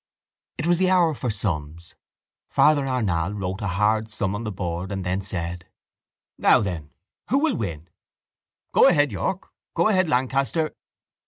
It was the hour for sums. Father Arnall wrote a hard sum on the board and then said: —Now then, who will win? Go ahead, York! Go ahead, Lancaster!